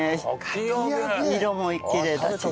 色もきれいだし。